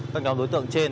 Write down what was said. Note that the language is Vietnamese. các nhóm đối tượng trên